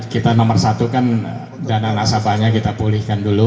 kita nomor satu kan dana nasabahnya kita pulihkan dulu